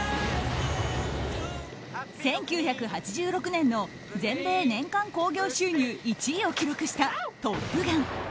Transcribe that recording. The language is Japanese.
１９８６年の全米年間興行収入１位を記録した「トップガン」。